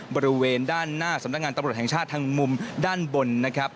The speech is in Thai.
บริเวณด้านหน้าสำนักงานตำรวจแห่งชาติทางมุมด้านบนนะครับ